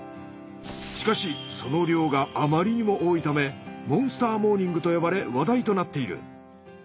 しかしその量があまりにも多いためモンスターモーニングと呼ばれ話題となっている。